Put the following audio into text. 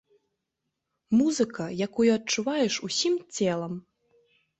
Музыка, якую адчуваеш усім целам.